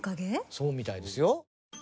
そうみたいですよ。